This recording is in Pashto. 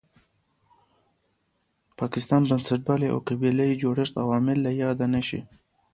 پاکستان، بنسټپالنې او قبیله یي جوړښت عوامل له یاده نه شي.